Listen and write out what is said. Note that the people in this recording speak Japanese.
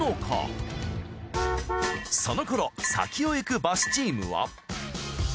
その頃先を行くバスチームは。